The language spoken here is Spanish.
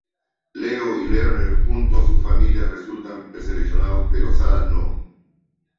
Leo y Lerner, junto a sus familias, resultan preseleccionados, pero Sarah no.